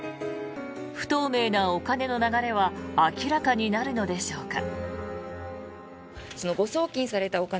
不透明なお金の流れは明らかになるのでしょうか。